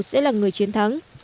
sẽ là người chiến thắng